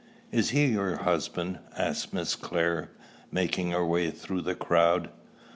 "Is he your husband?" asked Miss Clare, making her way through the crowd.